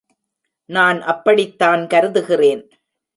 நான் அப்படித்தான் கருதுகிறேன்!